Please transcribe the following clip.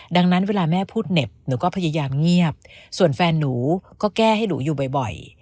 ดังนั้นเวลาแม่พูดเหน็บหนูก็พยายามเงียบส่วนแฟนหนูก็แก้ให้หนูอยู่บ่อย